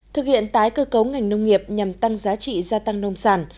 thực hiện tái cơ cấu ngành nông nghiệp nhằm tăng giá trị gia tăng nông sản